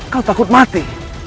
kau takut mati